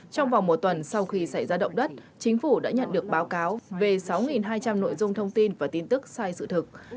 trong vòng một tuần sau khi xảy ra động đất chính phủ đã nhận được báo cáo về sáu hai trăm linh nội dung thông tin và tin tức sai sự thật